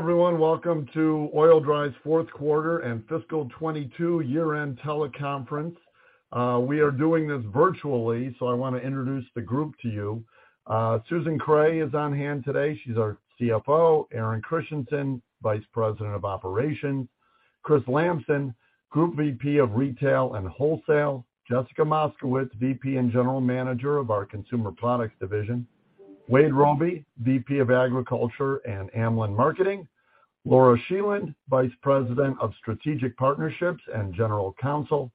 Hello, everyone. Welcome to Oil-Dri's fourth quarter and fiscal 2022 year-end teleconference. We are doing this virtually, so I wanna introduce the group to you. Susan Kreh is on hand today. She's our CFO. Aaron Christiansen, Vice President of Operations. Chris Lamson, Group VP of Retail and Wholesale. Jessica Moskowitz, VP and General Manager of our Consumer Products division. Wade Robey, VP of Agriculture and Amlan Marketing. Laura Scheland, Vice President of Strategic Partnerships and General Counsel.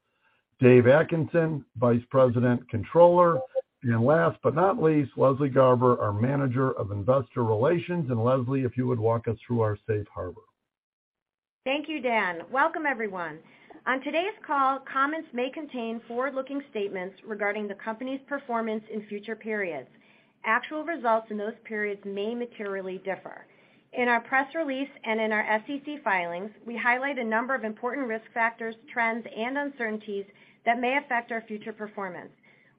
Dave Atkinson, Vice President Controller. Last but not least, Leslie Garber, our Manager of Investor Relations. Leslie, if you would walk us through our safe harbor. Thank you, Dan. Welcome, everyone. On today's call, comments may contain forward-looking statements regarding the company's performance in future periods. Actual results in those periods may materially differ. In our press release and in our SEC filings, we highlight a number of important risk factors, trends, and uncertainties that may affect our future performance.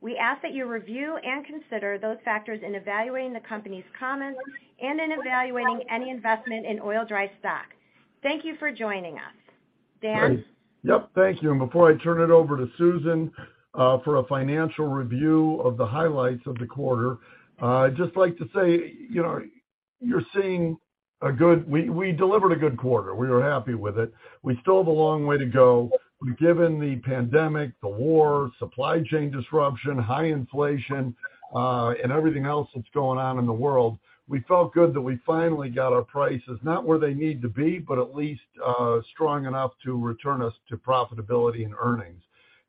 We ask that you review and consider those factors in evaluating the company's comments and in evaluating any investment in Oil-Dri's stock. Thank you for joining us. Dan? Great. Yep. Thank you. Before I turn it over to Susan for a financial review of the highlights of the quarter, I'd just like to say, you know, we delivered a good quarter. We were happy with it. We still have a long way to go. Given the pandemic, the war, supply chain disruption, high inflation, and everything else that's going on in the world, we felt good that we finally got our prices not where they need to be, but at least strong enough to return us to profitability and earnings.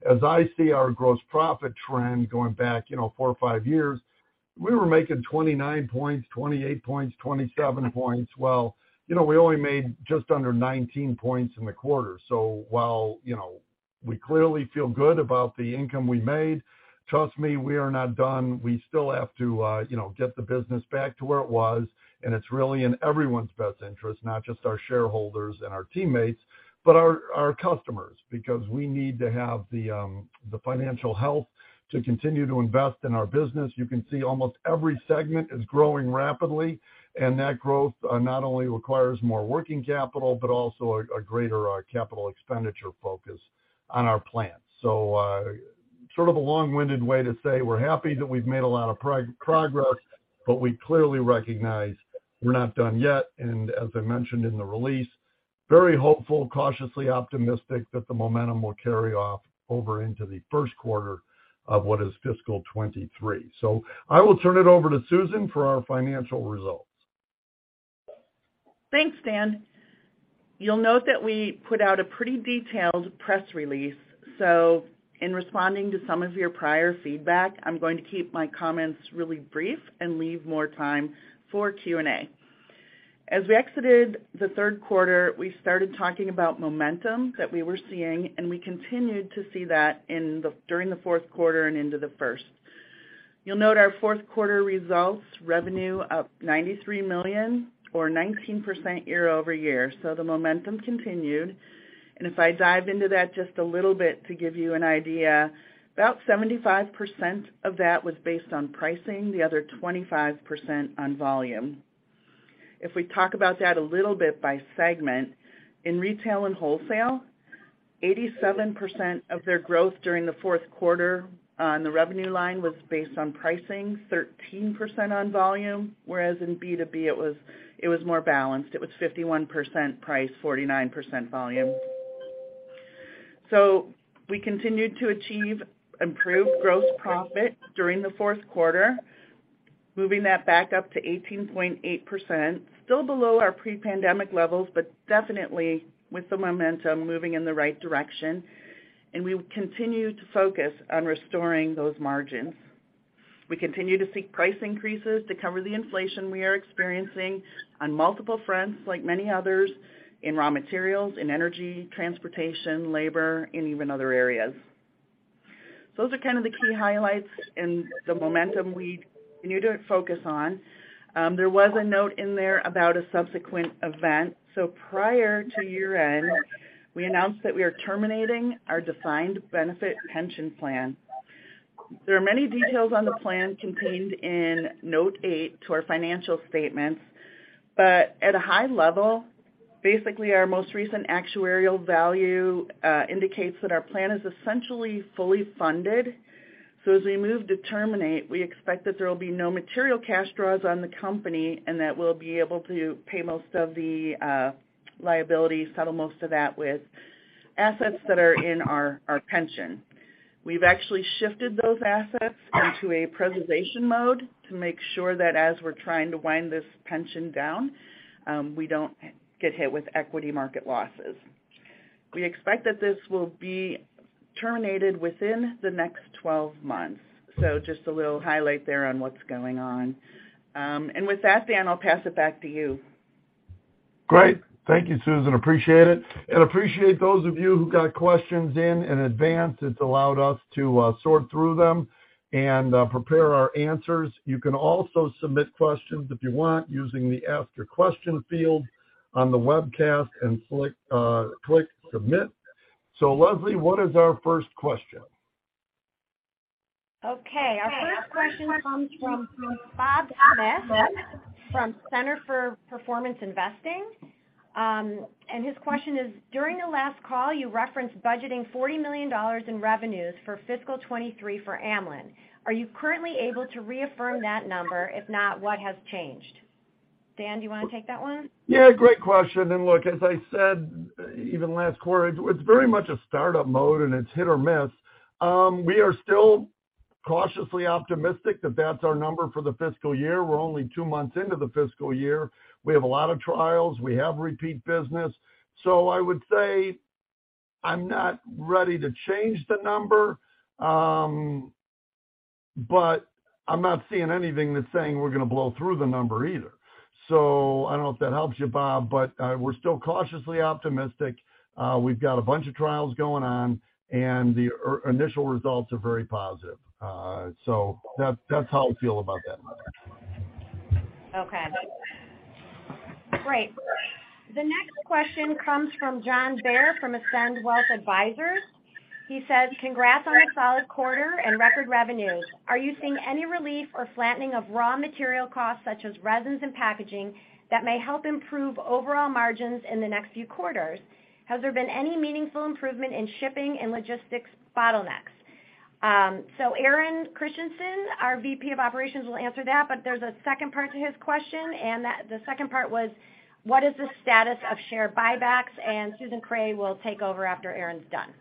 As I see our gross profit trend going back, you know, four or five years, we were making 29%, 28%, 27%. Well, you know, we only made just under 19% in the quarter. While, you know, we clearly feel good about the income we made, trust me, we are not done. We still have to, you know, get the business back to where it was, and it's really in everyone's best interest, not just our shareholders and our teammates, but our customers, because we need to have the financial health to continue to invest in our business. You can see almost every segment is growing rapidly, and that growth, not only requires more working capital, but also a greater capital expenditure focus on our plans. Sort of a long-winded way to say we're happy that we've made a lot of progress, but we clearly recognize we're not done yet. As I mentioned in the release, very hopeful, cautiously optimistic that the momentum will carry over into the first quarter of what is fiscal 2023. I will turn it over to Susan for our financial results. Thanks, Dan. You'll note that we put out a pretty detailed press release. In responding to some of your prior feedback, I'm going to keep my comments really brief and leave more time for Q&A. As we exited the third quarter, we started talking about momentum that we were seeing, and we continued to see that during the fourth quarter and into the first. You'll note our fourth quarter results, revenue up $93 million or 19% year-over-year. The momentum continued. If I dive into that just a little bit to give you an idea, about 75% of that was based on pricing, the other 25% on volume. If we talk about that a little bit by segment, in retail and wholesale, 87% of their growth during the fourth quarter on the revenue line was based on pricing, 13% on volume, whereas in B2B it was more balanced. It was 51% price, 49% volume. We continued to achieve improved gross profit during the fourth quarter, moving that back up to 18.8%, still below our pre-pandemic levels, but definitely with the momentum moving in the right direction, and we will continue to focus on restoring those margins. We continue to seek price increases to cover the inflation we are experiencing on multiple fronts like many others in raw materials, in energy, transportation, labor, and even other areas. Those are kind of the key highlights and the momentum we continue to focus on. There was a note in there about a subsequent event. Prior to year-end, we announced that we are terminating our defined benefit pension plan. There are many details on the plan contained in note eight to our financial statements, but at a high level, basically, our most recent actuarial value indicates that our plan is essentially fully funded. As we move to terminate, we expect that there will be no material cash draws on the company, and that we'll be able to pay most of the liability, settle most of that with assets that are in our pension. We've actually shifted those assets into a preservation mode to make sure that as we're trying to wind this pension down, we don't get hit with equity market losses. We expect that this will be terminated within the next 12 months. Just a little highlight there on what's going on. With that, Dan, I'll pass it back to you. Great. Thank you, Susan. Appreciate it. Appreciate those of you who got questions in advance. It's allowed us to sort through them and prepare our answers. You can also submit questions if you want using the Ask Your Question field on the webcast and click Submit. Leslie, what is our first question? Okay. Our first question comes from Bob Smith from Center for Performance Investing. His question is: During the last call, you referenced budgeting $40 million in revenues for fiscal 2023 for Amlan. Are you currently able to reaffirm that number? If not, what has changed? Dan, do you wanna take that one? Yeah, great question. Look, as I said, even last quarter, it's very much a startup mode and it's hit or miss. We are still cautiously optimistic that that's our number for the fiscal year. We're only two months into the fiscal year. We have a lot of trials. We have repeat business. I would say I'm not ready to change the number, but I'm not seeing anything that's saying we're gonna blow through the number either. I don't know if that helps you, Bob, but we're still cautiously optimistic. We've got a bunch of trials going on, and the initial results are very positive. That's how I feel about that. Okay. Great. The next question comes from John Baer from Ascend Wealth Advisors. He says, "Congrats on a solid quarter and record revenues. Are you seeing any relief or flattening of raw material costs such as resins and packaging that may help improve overall margins in the next few quarters? Has there been any meaningful improvement in shipping and logistics bottlenecks?" Aaron Christiansen, our VP of Operations, will answer that, but there's a second part to his question, the second part was, what is the status of share buybacks? Susan Kreh will take over after Aaron's done.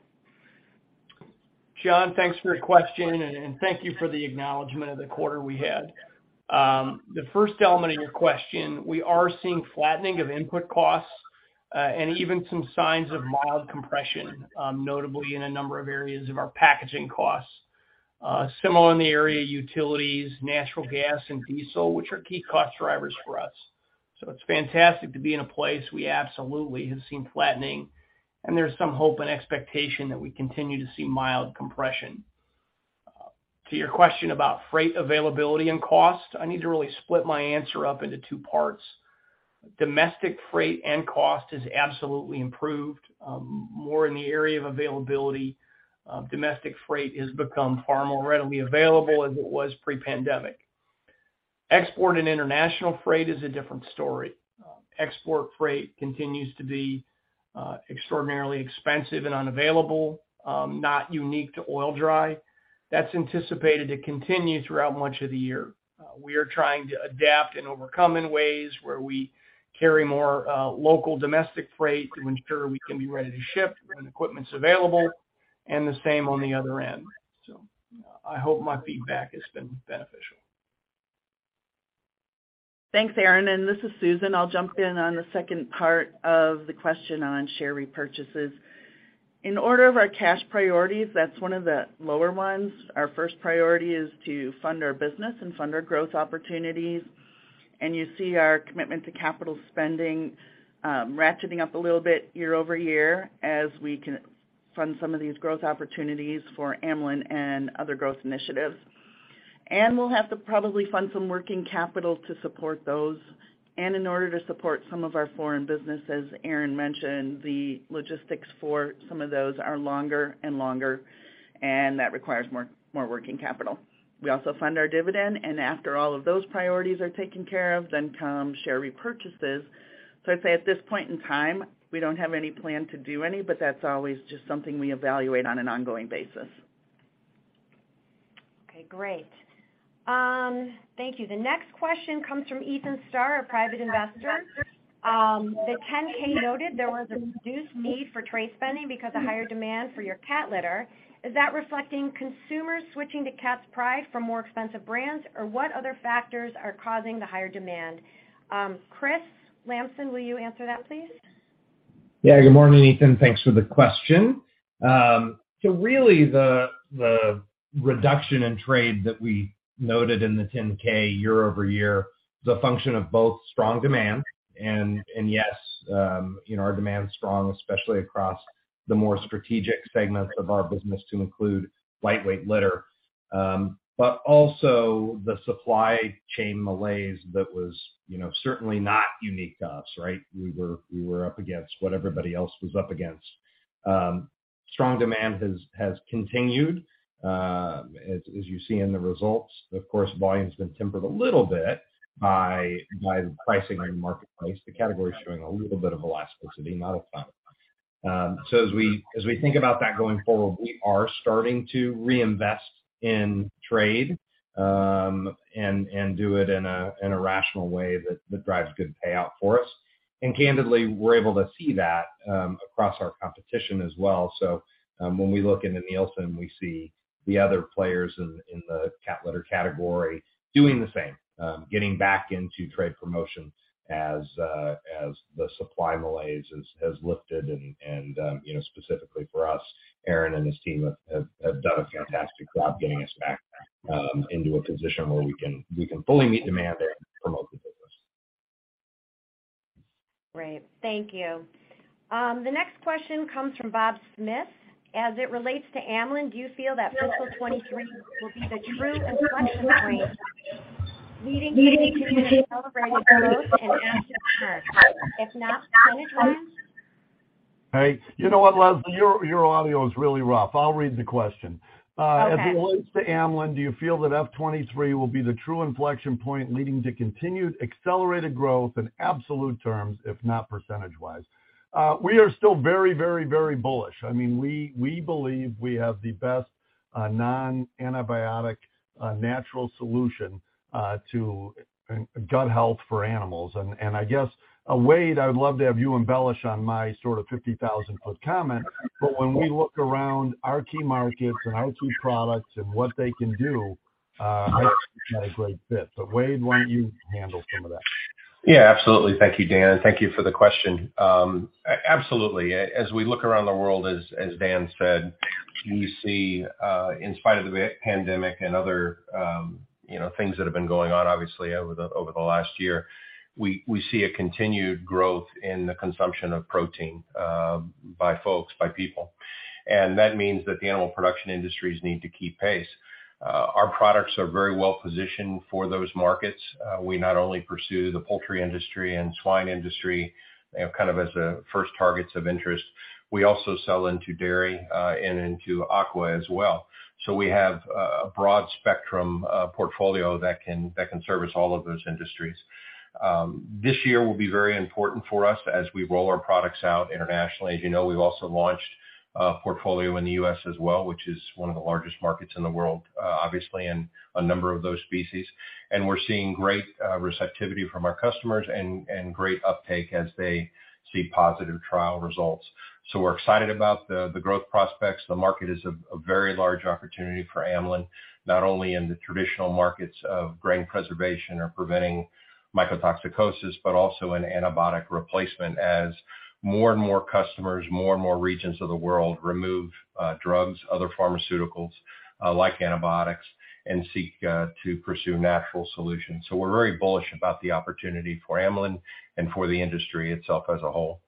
John, thanks for your question, and thank you for the acknowledgment of the quarter we had. The first element of your question, we are seeing flattening of input costs, and even some signs of mild compression, notably in a number of areas of our packaging costs. Similar in the area of utilities, natural gas and diesel, which are key cost drivers for us. It's fantastic to be in a place where we absolutely have seen flattening, and there's some hope and expectation that we continue to see mild compression. To your question about freight availability and cost, I need to really split my answer up into two parts. Domestic freight and cost has absolutely improved, more in the area of availability. Domestic freight has become far more readily available as it was pre-pandemic. Export and international freight is a different story. Export freight continues to be extraordinarily expensive and unavailable, not unique to Oil-Dri. That's anticipated to continue throughout much of the year. We are trying to adapt and overcome in ways where we carry more local domestic freight to ensure we can be ready to ship when equipment's available and the same on the other end. I hope my feedback has been beneficial. Thanks, Aaron. This is Susan. I'll jump in on the second part of the question on share repurchases. In order of our cash priorities, that's one of the lower ones. Our first priority is to fund our business and fund our growth opportunities. You see our commitment to capital spending, ratcheting up a little bit year-over-year as we can fund some of these growth opportunities for Amlan and other growth initiatives. We'll have to probably fund some working capital to support those. In order to support some of our foreign business, as Aaron mentioned, the logistics for some of those are longer and longer, and that requires more working capital. We also fund our dividend, and after all of those priorities are taken care of, then come share repurchases. I'd say at this point in time, we don't have any plan to do any, but that's always just something we evaluate on an ongoing basis. Okay, great. Thank you. The next question comes from Ethan Starr, a private investor. The 10-K noted there was a reduced need for trade spending because of higher demand for your cat litter. Is that reflecting consumers switching to Cat's Pride from more expensive brands? Or what other factors are causing the higher demand? Chris Lamson, will you answer that, please? Yeah. Good morning, Ethan. Thanks for the question. So really the reduction in trade that we noted in the 10-K year-over-year is a function of both strong demand and yes, you know, our demand is strong, especially across the more strategic segments of our business to include lightweight litter. Also the supply chain malaise that was, you know, certainly not unique to us, right? We were up against what everybody else was up against. Strong demand has continued, as you see in the results. Of course, volume's been tempered a little bit by the pricing in the marketplace. The category is showing a little bit of elasticity, not a ton. As we think about that going forward, we are starting to reinvest in trade, and do it in a rational way that drives good payout for us. Candidly, we're able to see that across our competition as well. When we look into Nielsen, we see the other players in the cat litter category doing the same, getting back into trade promotion as the supply malaise has lifted. You know, specifically for us, Aaron and his team have done a fantastic job getting us back into a position where we can fully meet demand there and promote the business. Great. Thank you. The next question comes from Bob Smith. As it relates to Amlan, do you feel that fiscal 2023 will be the true inflection point leading to accelerated growth in asset purchase? If not, when is that? Hey, you know what, Leslie? Your audio is really rough. I'll read the question. Okay. As it relates to Amlan, do you feel that F23 will be the true inflection point leading to continued accelerated growth in absolute terms, if not percentage-wise? We are still very bullish. I mean, we believe we have the best non-antibiotic natural solution to gut health for animals. I guess, Wade, I would love to have you embellish on my sort of 50,000-foot comment. When we look around our key markets and our key products and what they can do, I think we've got a great fit. Wade, why don't you handle some of that? Yeah, absolutely. Thank you, Dan, and thank you for the question. As we look around the world, as Dan said, we see in spite of the pandemic and other, you know, things that have been going on, obviously over the last year, we see a continued growth in the consumption of protein by folks, by people. That means that the animal production industries need to keep pace. Our products are very well positioned for those markets. We not only pursue the poultry industry and swine industry, you know, kind of as first targets of interest, we also sell into dairy and into aqua as well. We have a broad spectrum portfolio that can service all of those industries. This year will be very important for us as we roll our products out internationally. As you know, we've also launched a portfolio in the U.S. as well, which is one of the largest markets in the world, obviously in a number of those species. We're seeing great receptivity from our customers and great uptake as they see positive trial results. We're excited about the growth prospects. The market is a very large opportunity for Amlan, not only in the traditional markets of grain preservation or preventing mycotoxicosis, but also in antibiotic replacement as more and more customers, more and more regions of the world remove drugs, other pharmaceuticals, like antibiotics and seek to pursue natural solutions. We're very bullish about the opportunity for Amlan and for the industry itself as a whole.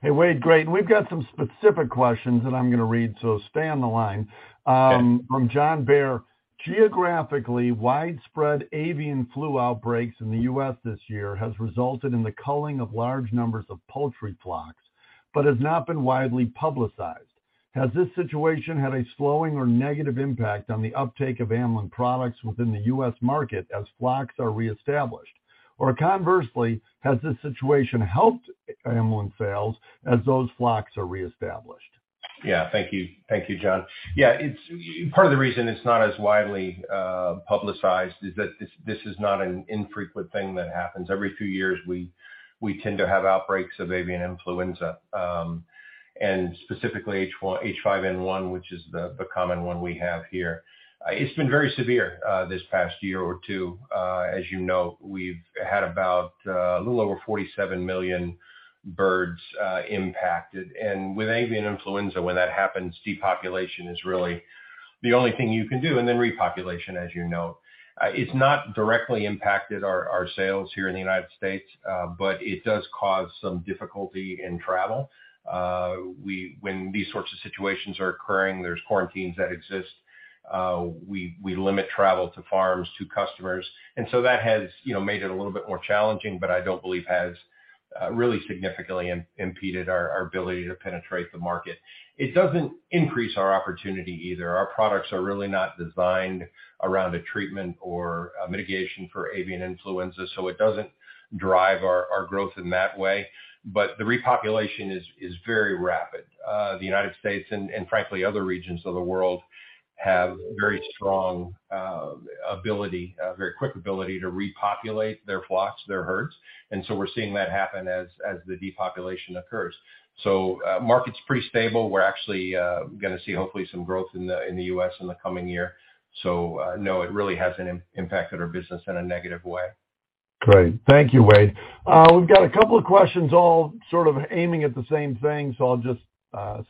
Hey, Wade. Great. We've got some specific questions that I'm gonna read, so stay on the line. Okay. From John Baer. Geographically, widespread avian flu outbreaks in the U.S. this year has resulted in the culling of large numbers of poultry flocks, but has not been widely publicized. Has this situation had a slowing or negative impact on the uptake of Amlan products within the U.S. market as flocks are reestablished? Or conversely, has this situation helped Amlan sales as those flocks are reestablished? Yeah. Thank you. Thank you, John. Yeah, it's part of the reason it's not as widely publicized is that this is not an infrequent thing that happens. Every few years, we tend to have outbreaks of avian influenza and specifically H5N1, which is the common one we have here. It's been very severe this past year or two. As you know, we've had about a little over 47 million birds impacted. With avian influenza, when that happens, depopulation is really the only thing you can do, and then repopulation, as you know. It's not directly impacted our sales here in the United States, but it does cause some difficulty in travel. When these sorts of situations are occurring, there's quarantines that exist. We limit travel to farms, to customers. That has, you know, made it a little bit more challenging, but I don't believe has really significantly impeded our ability to penetrate the market. It doesn't increase our opportunity either. Our products are really not designed around a treatment or a mitigation for avian influenza, so it doesn't drive our growth in that way. The repopulation is very rapid. The United States and frankly other regions of the world have very strong ability, very quick ability to repopulate their flocks, their herds, and we're seeing that happen as the depopulation occurs. Market's pretty stable. We're actually gonna see hopefully some growth in the U.S. in the coming year. No, it really hasn't impacted our business in a negative way. Great. Thank you, Wade. We've got a couple of questions all sort of aiming at the same thing, so I'll just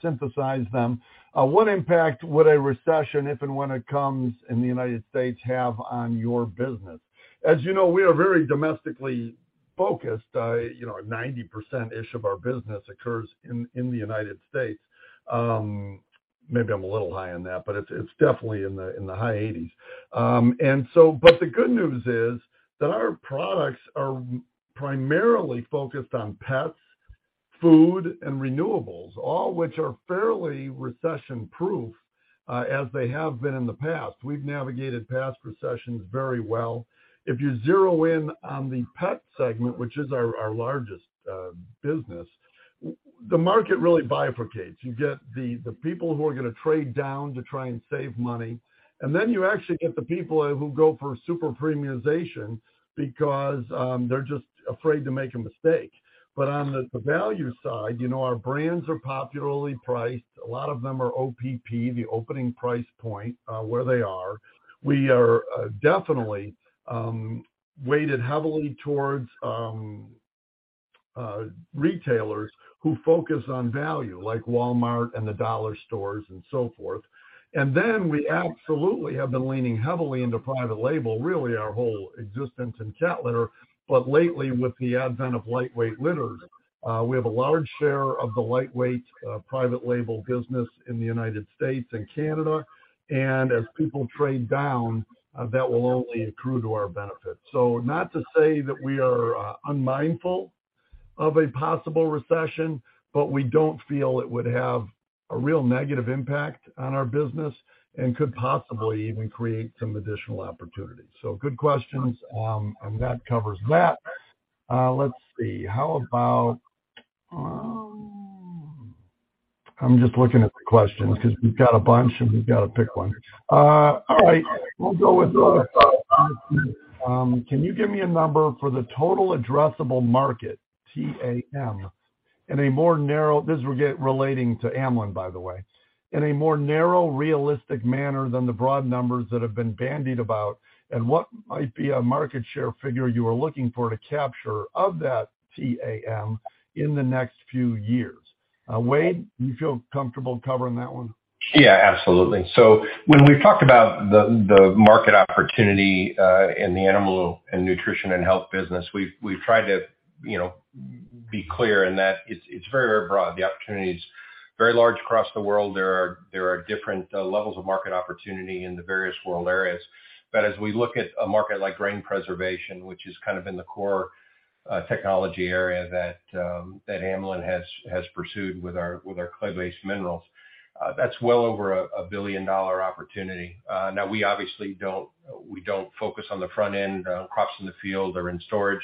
synthesize them. What impact would a recession, if and when it comes, in the United States have on your business? As you know, we are very domestically focused. You know, 90%-ish of our business occurs in the United States. Maybe I'm a little high on that, but it's definitely in the high 80s. The good news is that our products are primarily focused on pets, food, and renewables, all which are fairly recession-proof, as they have been in the past. We've navigated past recessions very well. If you zero in on the pet segment, which is our largest business, the market really bifurcates. You get the people who are gonna trade down to try and save money, and then you actually get the people who go for super premiumization because they're just afraid to make a mistake. On the value side, you know, our brands are popularly priced. A lot of them are OPP, the opening price point, where they are. We are definitely weighted heavily towards retailers who focus on value, like Walmart and the dollar stores and so forth. We absolutely have been leaning heavily into private label, really our whole existence in cat litter. Lately, with the advent of lightweight litters, we have a large share of the lightweight private label business in the United States and Canada. As people trade down, that will only accrue to our benefit. Not to say that I'm unmindful of a possible recession, but we don't feel it would have a real negative impact on our business and could possibly even create some additional opportunities. Good questions, and that covers that. Let's see. How about, I'm just looking at the questions 'cause we've got a bunch and we've gotta pick one. All right. We'll go with, can you give me a number for the total addressable market, TAM, relating to Amlan, by the way. In a more narrow, realistic manner than the broad numbers that have been bandied about, and what might be a market share figure you are looking for to capture of that TAM in the next few years? Wade, you feel comfortable covering that one? Yeah, absolutely. When we've talked about the market opportunity in the animal nutrition and health business, we've tried to, you know, be clear in that it's very broad. The opportunity is very large across the world. There are different levels of market opportunity in the various world areas. As we look at a market like grain preservation, which is kind of in the core technology area that Amlan has pursued with our clay-based minerals, that's well over a $1 billion opportunity. Now we obviously don't focus on the front end, crops in the field or in storage.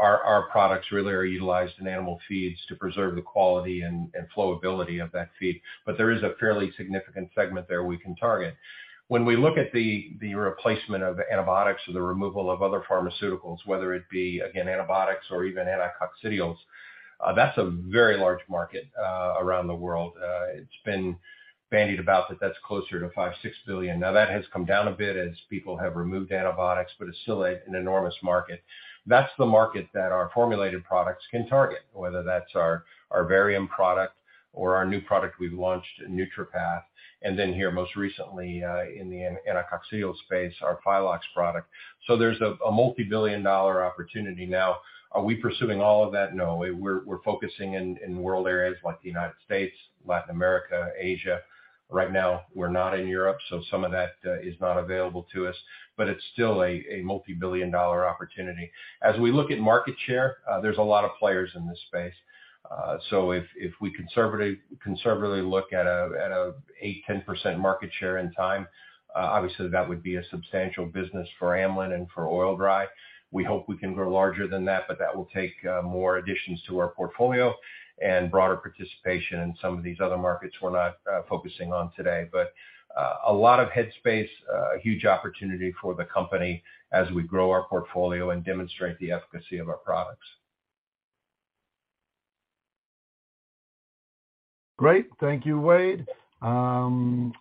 Our products really are utilized in animal feeds to preserve the quality and flowability of that feed. There is a fairly significant segment there we can target. When we look at the replacement of antibiotics or the removal of other pharmaceuticals, whether it be, again, antibiotics or even anticoccidials, that's a very large market around the world. It's been bandied about that that's closer to $5billion-$6 billion. Now, that has come down a bit as people have removed antibiotics, but it's still an enormous market. That's the market that our formulated products can target, whether that's our Varium product or our new product we've launched, NeutraPath, and then here, most recently, in the anticoccidial space, our Phylox product. There's a multibillion-dollar opportunity now. Are we pursuing all of that? No. We're focusing in world areas like the United States, Latin America, Asia. Right now, we're not in Europe, so some of that is not available to us. It's still a multibillion-dollar opportunity. As we look at market share, there's a lot of players in this space. If we conservatively look at a 8%-10% market share in time, obviously that would be a substantial business for Amlan and for Oil-Dri. We hope we can grow larger than that, but that will take more additions to our portfolio and broader participation in some of these other markets we're not focusing on today. A lot of head space, a huge opportunity for the company as we grow our portfolio and demonstrate the efficacy of our products. Great. Thank you, Wade. I'm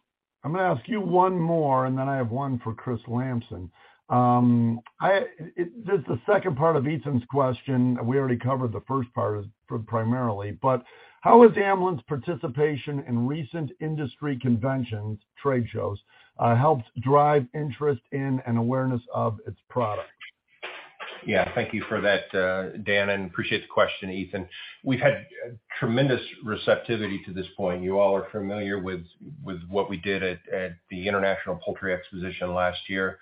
gonna ask you one more, and then I have one for Chris Lamson. This is the second part of Ethan's question. We already covered the first part of this primarily. How has Amlan's participation in recent industry conventions, trade shows, helped drive interest in and awareness of its product? Yeah. Thank you for that, Dan, and appreciate the question, Ethan. We've had tremendous receptivity to this point. You all are familiar with what we did at the International Production & Processing Expo last year.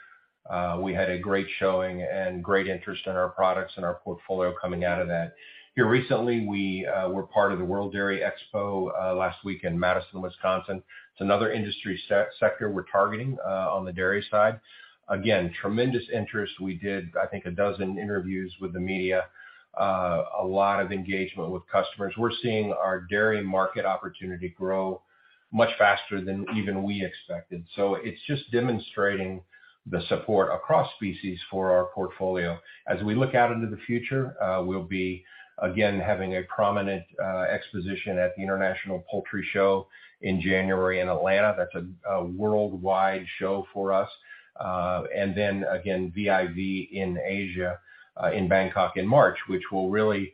We had a great showing and great interest in our products and our portfolio coming out of that. Here recently, we were part of the World Dairy Expo last week in Madison, Wisconsin. It's another industry sector we're targeting on the dairy side. Again, tremendous interest. We did, I think, 12 interviews with the media. A lot of engagement with customers. We're seeing our dairy market opportunity grow much faster than even we expected. It's just demonstrating the support across species for our portfolio. As we look out into the future, we'll be, again, having a prominent exposition at the International Production & Processing Expo in January in Atlanta. That's a worldwide show for us. VIV in Asia in Bangkok in March, which will really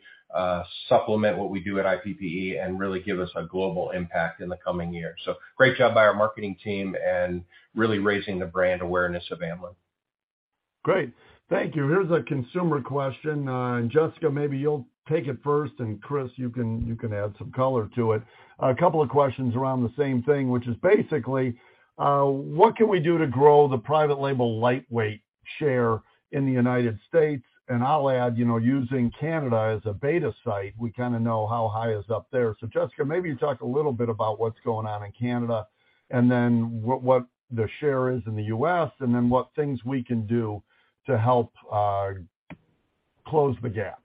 supplement what we do at IPPE and really give us a global impact in the coming years. Great job by our marketing team in really raising the brand awareness of Amlan. Great. Thank you. Here's a consumer question. Jessica, maybe you'll take it first, and Chris, you can add some color to it. A couple of questions around the same thing, which is basically, what can we do to grow the private label lightweight share in the United States? I'll add, you know, using Canada as a beta site, we kinda know how high is up there. Jessica, maybe you talk a little bit about what's going on in Canada and then what the share is in the U.S. and then what things we can do to help close the gap.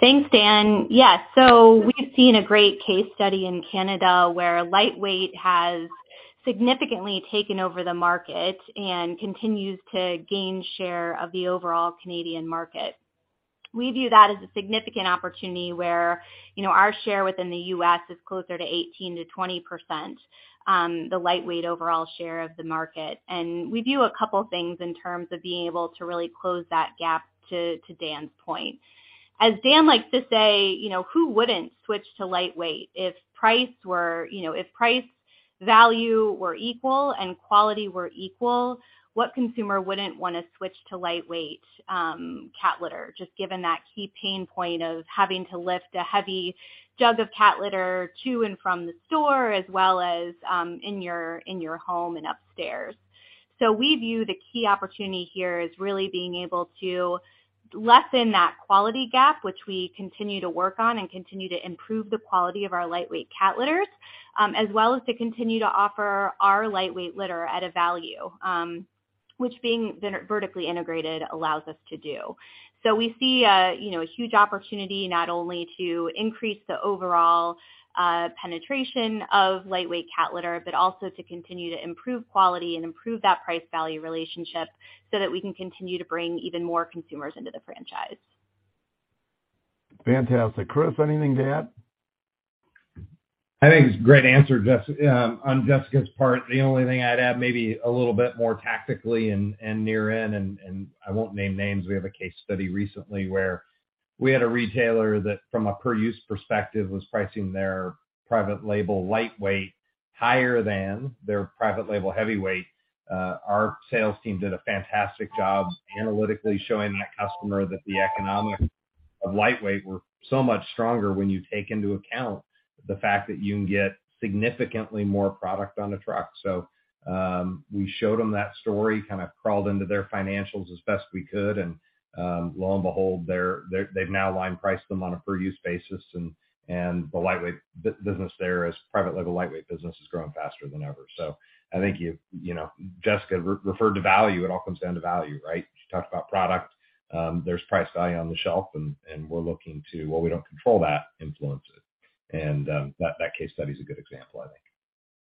Thanks, Dan. Yeah. We've seen a great case study in Canada where lightweight has significantly taken over the market and continues to gain share of the overall Canadian market. We view that as a significant opportunity where, you know, our share within the US is closer to 18%-20%, the lightweight overall share of the market. We view a couple things in terms of being able to really close that gap to Dan's point. As Dan likes to say, you know, who wouldn't switch to lightweight? If price were, you know, if price value were equal and quality were equal, what consumer wouldn't wanna switch to lightweight cat litter just given that key pain point of having to lift a heavy jug of cat litter to and from the store as well as in your home and upstairs. We view the key opportunity here is really being able to lessen that quality gap, which we continue to work on and continue to improve the quality of our lightweight cat litters, as well as to continue to offer our lightweight litter at a value, which being vertically integrated allows us to do. We see, you know, a huge opportunity not only to increase the overall penetration of lightweight cat litter, but also to continue to improve quality and improve that price value relationship so that we can continue to bring even more consumers into the franchise. Fantastic. Chris, anything to add? I think it's a great answer, Jessica, on Jessica's part. The only thing I'd add maybe a little bit more tactically and near-term, and I won't name names. We have a case study recently where we had a retailer that from a per-use perspective was pricing their private label lightweight higher than their private label heavyweight. Our sales team did a fantastic job analytically showing that customer that the economics of lightweight were so much stronger when you take into account the fact that you can get significantly more product on a truck. We showed them that story, kind of crawled into their financials as best we could, and lo and behold, they've now line priced them on a per-use basis and the lightweight business there, private label lightweight business, is growing faster than ever. I think you know, Jessica referred to value, it all comes down to value, right? She talked about product. There's price value on the shelf, and we're looking to, well, we don't control that, influence it. That case study is a good example, I think.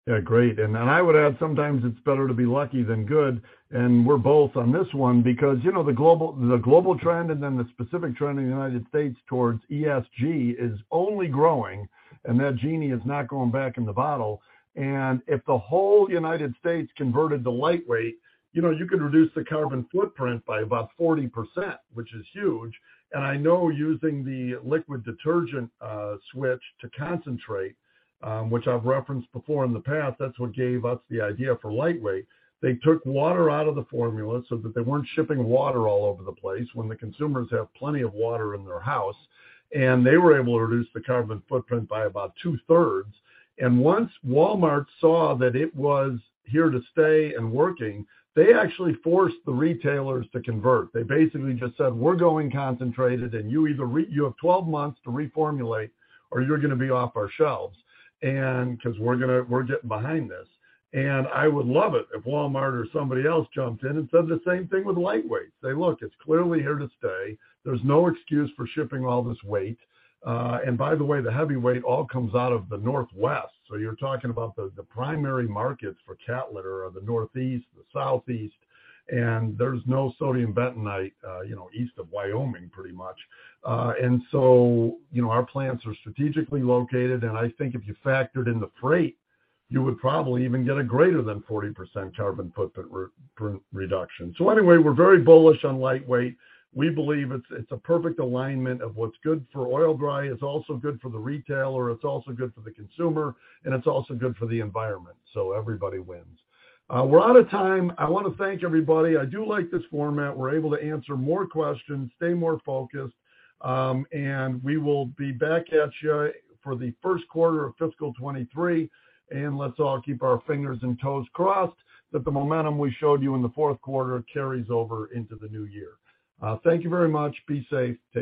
Yeah, great. I would add, sometimes it's better to be lucky than good. We're both on this one because, you know, the global trend and then the specific trend in the United States towards ESG is only growing, and that genie is not going back in the bottle. If the whole United States converted to lightweight, you know, you could reduce the carbon footprint by about 40%, which is huge. I know using the liquid detergent switch to concentrate, which I've referenced before in the past, that's what gave us the idea for lightweight. They took water out of the formula so that they weren't shipping water all over the place when the consumers have plenty of water in their house, and they were able to reduce the carbon footprint by about two-thirds. Once Walmart saw that it was here to stay and working, they actually forced the retailers to convert. They basically just said, "We're going concentrated, and you either have 12 months to reformulate or you're gonna be off our shelves, 'cause we're getting behind this." I would love it if Walmart or somebody else jumped in and said the same thing with lightweight. Say, "Look, it's clearly here to stay. There's no excuse for shipping all this weight." By the way, the heavyweight all comes out of the Northwest. You're talking about the primary markets for cat litter are the Northeast, the Southeast, and there's no sodium bentonite, you know, east of Wyoming, pretty much. You know, our plants are strategically located, and I think if you factored in the freight, you would probably even get a greater than 40% carbon footprint reduction. So anyway, we're very bullish on lightweight. We believe it's a perfect alignment of what's good for Oil-Dri. It's also good for the retailer, it's also good for the consumer, and it's also good for the environment, so everybody wins. We're out of time. I wanna thank everybody. I do like this format. We're able to answer more questions, stay more focused. We will be back at you for the first quarter of fiscal 2023. Let's all keep our fingers and toes crossed that the momentum we showed you in the fourth quarter carries over into the new year. Thank you very much. Be safe. Take care.